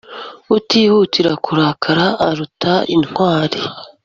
utihutira kurakara aruta intwari